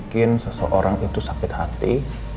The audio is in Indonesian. kamu bikin seseorang itu sakit hati